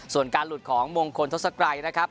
ส่วนการหลุดของมงคลทศกรัยนะครับ